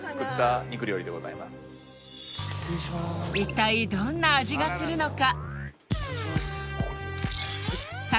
一体どんな味がするのか？